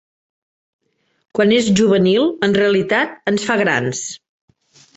Quan és juvenil, en realitat ens fa grans.